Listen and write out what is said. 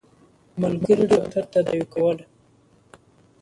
ملګري ډاکټر تداوي کوله.